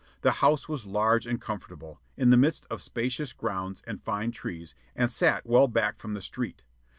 The house was large and comfortable, in the midst of spacious grounds and fine trees, and sat well back from the street.